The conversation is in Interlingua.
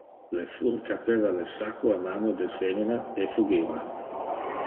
Le fur capeva le sacco a mano del femina e fugiva.